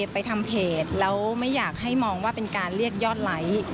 ไปทำเพจแล้วไม่อยากให้มองว่าเป็นการเรียกยอดไลค์